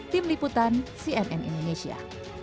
tim liputan cnn indonesia